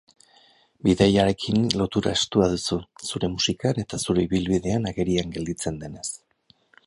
Bidaiarekin lotura estua duzu, zure musikan eta zure ibilbidean agerian gelditzen denez.